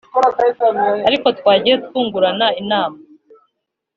ariko twagiye twungurana inama